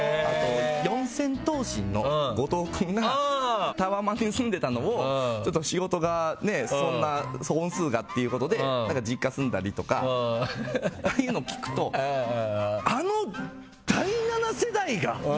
四千頭身の後藤君がタワマンに住んでたのを仕事が、本数がっていうことで実家住んだりとかああいうの聞くとあの第７世代が！？